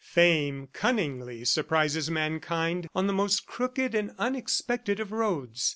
Fame cunningly surprises mankind on the most crooked and unexpected of roads.